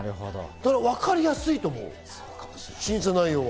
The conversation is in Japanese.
分かりやすいと思う、審査内容は。